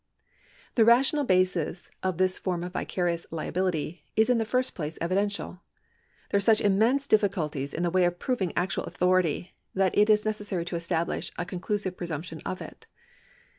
The rational basis of this form of vicarious liability is in the first place evidential. There are such immense diffi culties in the way of proving actual authority, that it is necessary to establish a conclusive presumption of it.